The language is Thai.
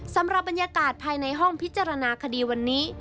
สำหรับบรรยากาศภายในห้องพิจารณาคดีวันนี้